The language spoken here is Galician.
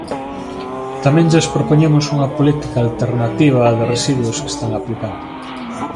Tamén lles propoñemos unha política alternativa á de residuos que están aplicando.